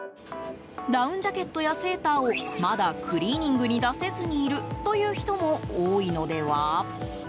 ダウンジャケットやセーターをまだクリーニングに出せずにいるという人も多いのでは？